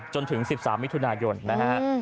จนถึง๑๓มิถุนายนนะฮะ